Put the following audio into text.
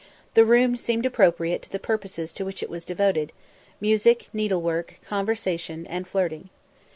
The room seemed appropriate to the purposes to which it was devoted music, needlework, conversation, and flirting.